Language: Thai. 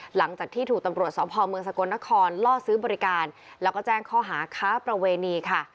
หลังจากที่ถูกตำรวจสพเมืองสกลนครล่อซื้อบริการแล้วก็แจ้งข้อหาค้าประเวณีค่ะ